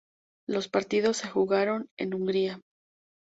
Los partidos se jugaron en Hungría.